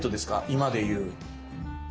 今でいう。